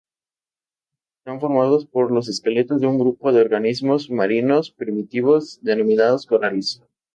Están formadas por los esqueletos de un grupo de organismos marinos primitivos, denominados corales.